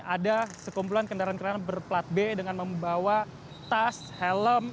ada sekumpulan kendaraan kendaraan berplat b dengan membawa tas helm